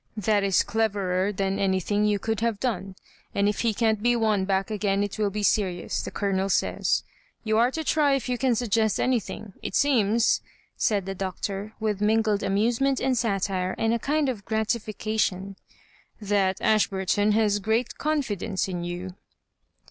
That is cleverer than anything you could have done. And if he can't be won back again it will be serious, the Colonel saya. You are t« try if you can suggest anything. It seems," said the Doctor, with mingled amusement and satire^ and a kind of gratification, " that Ashburton baa great confidence in you."